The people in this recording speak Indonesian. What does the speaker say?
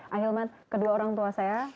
karena kedua orang tua saya